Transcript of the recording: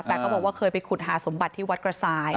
แต่เขาบอกว่าเคยไปขุดหาสมบัติที่วัดกระสาย